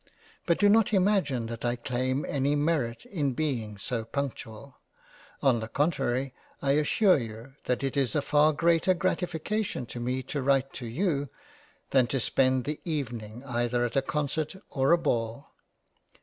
But do not imagine that I claim any merit in being so punctual; on the contrary I assure you, that it is a far greater Gratification to me to write to you, than to spend the Evening either at a Concert or a Ball.